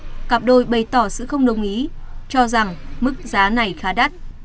cặp đôi bày tỏ sự không đồng ý cho rằng mức giá này khá đắt